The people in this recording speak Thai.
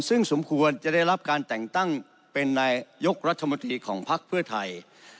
ซึ่งสมควรจะได้รับการแต่งตั้งเป็นนายยกรัฐมนตรีของภักดิ์เพื่อไทย